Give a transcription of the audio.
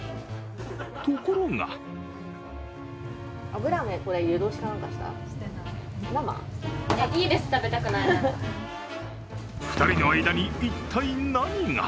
ところが２人の間に一体なのが？